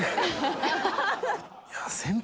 先輩